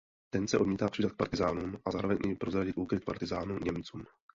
Ten se odmítá přidat k partyzánům a zároveň i prozradit úkryt partyzánů Němcům.